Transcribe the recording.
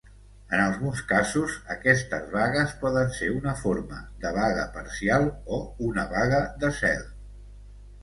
En alguns casos, aquestes vagues poden ser una forma de "vaga parcial" o una "vaga de zel".